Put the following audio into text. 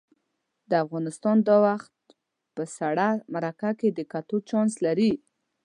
افغانستان دا وخت په سړه مرکه کې د ګټو چانس لري.